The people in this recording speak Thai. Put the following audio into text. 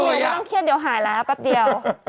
คุณมิวไม่ต้องเครียดเดี๋ยวหายแล้วปั๊บเดียว